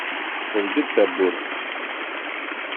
Teldi-d tawwurt.